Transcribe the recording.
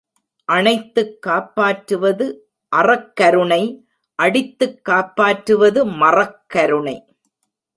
அணைத்துக் காப்பாற்றுவது அறக்கருணை அடித்துக் காப்பாற்றுவது மறக் கருணை.